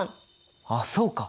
あっそうか！